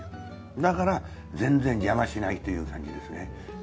だから全然邪魔しないという感じですね。